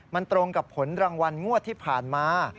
มันตรงกับผลรางวัลงวดที่ผ่านมา